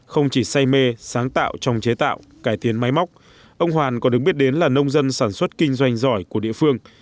không chỉ say mê sáng tạo trong chế tạo cải tiến máy móc ông hoàn còn được biết đến là nông dân sản xuất kinh doanh giỏi của địa phương